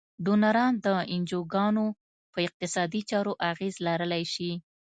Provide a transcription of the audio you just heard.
ډونران د انجوګانو په اقتصادي چارو اغیز لرلای شي.